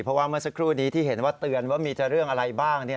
เพราะว่าเมื่อสักครู่นี้ที่เห็นว่าเตือนว่ามีจะเรื่องอะไรบ้าง